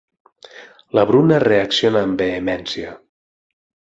La Bruna reacciona amb vehemència.